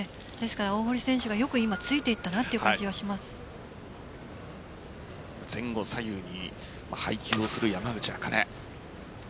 大堀選手がよくついていったなという前後左右に配球をする山口茜。